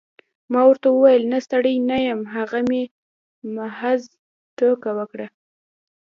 ما ورته وویل نه ستړی نه یم هغه مې محض ټوکه وکړه.